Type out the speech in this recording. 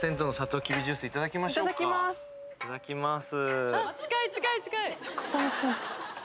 いただきます